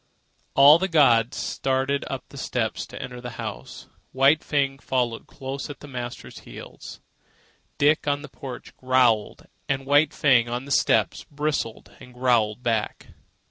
All the gods started up the steps to enter the house. White Fang followed closely at the master's heels. Dick, on the porch, growled, and White Fang, on the steps, bristled and growled back.